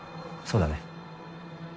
そうだね。